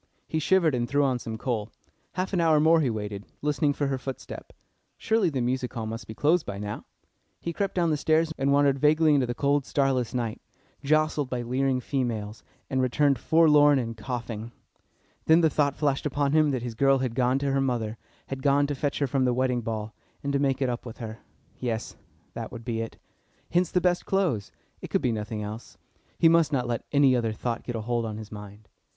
He shivered, and threw on some coal. Half an hour more he waited, listening for her footstep. Surely the music hall must be closed by now. He crept down the stairs, and wandered vaguely into the cold, starless night, jostled by leering females, and returned forlorn and coughing. Then the thought flashed upon him that his girl had gone to her mother, had gone to fetch her from the wedding ball, and to make it up with her. Yes; that would be it. Hence the best clothes. It could be nothing else. He must not let any other thought get a hold on his mind.